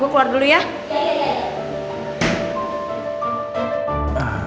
gue keluar dulu ya